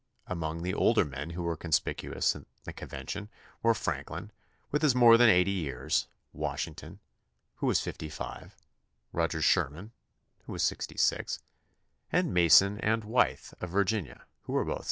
Among the older men who were conspicuous in the convention were Franklin, with his more than 80 years; Washington, who was 55; Roger Sherman, who was 66; and Mason and Wythe, of Virginia, who were both 61.